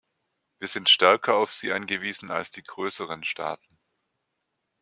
Wir sind stärker auf sie angewiesen als die größeren Staaten.